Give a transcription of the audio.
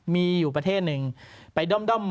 มีอยู่ประเทศหนึ่งไปด้อมหมอ